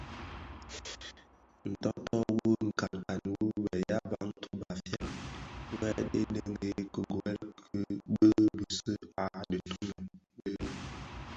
Ntôôtô wu nkankan wu bë ya Bantu (Bafia) wuè dhëňdhëni kigwèl bi bisi a ditumen di.